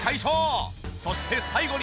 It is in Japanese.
そして最後に。